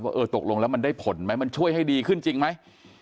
เออตกลงแล้วมันได้ผลไหมมันช่วยให้ดีขึ้นจริงไหม